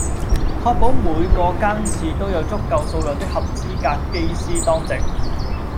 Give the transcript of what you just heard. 確保每個更次都有足夠數量的合資格機師當值